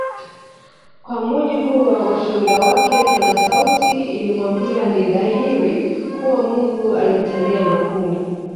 Kwa mujibu wa ushuhuda wake kuna sauti ilimwambia ni dhahiri kuwa Mungu alimtendea makuu